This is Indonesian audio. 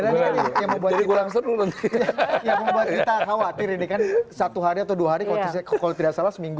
jadi yang membuat kita khawatir ini kan satu hari atau dua hari kalau tidak salah seminggu